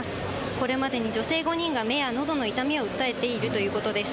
これまでに女性５人が目やのどの痛みを訴えているということです。